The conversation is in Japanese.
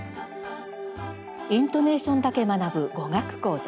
「イントネーションだけ学ぶ語学講座」。